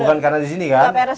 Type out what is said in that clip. bukan karena di sini kan